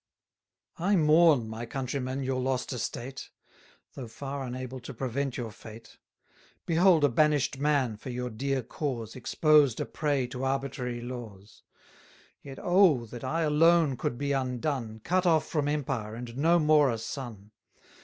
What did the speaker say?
I mourn, my countrymen, your lost estate; Though far unable to prevent your fate: Behold a banish'd man for your dear cause 700 Exposed a prey to arbitrary laws! Yet oh! that I alone could be undone, Cut off from empire, and no more a son!